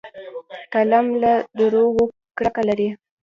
قلم له دروغو کرکه لري